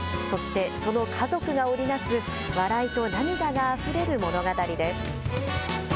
そして、その家族が織りなす笑いと涙があふれる物語です。